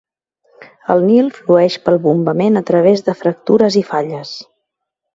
El Nil flueix pel bombament a través de fractures i falles.